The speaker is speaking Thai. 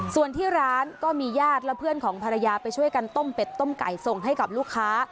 ส่วนที่ร้านก็มีญาติและเพื่อนของภรรยาไปช่วยกันต้มเป็ดต้มไก่ส่งให้กับลูกค้า